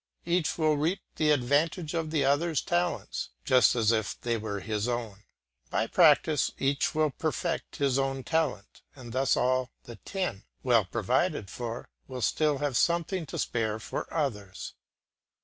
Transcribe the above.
Each will reap the advantage of the others' talents, just as if they were his own; by practice each will perfect his own talent, and thus all the ten, well provided for, will still have something to spare for others.